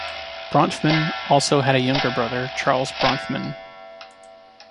Bronfman also had a younger brother, Charles Bronfman.